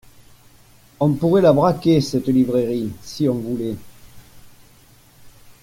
On pourrait la braquer, cette librairie, si on voulait.